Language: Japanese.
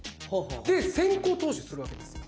で先行投資するわけですよ。